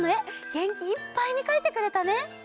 げんきいっぱいにかいてくれたね。